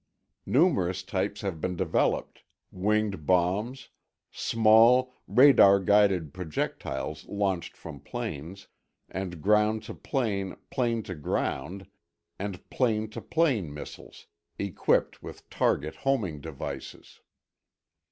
Numerous types have been developed winged bombs, small radar guided projectiles launched from planes, and ground to plane plane to ground, and plane to plane missiles, equipped with target homing devices.